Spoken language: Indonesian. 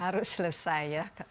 harus selesai ya